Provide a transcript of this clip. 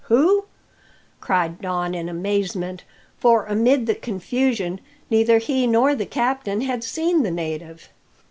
"Who?" cried Don in amazement; for, amid the confusion, neither he nor the captain had seen the native.